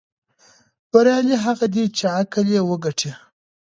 بریالی هغه دی چې عقل یې وګټي.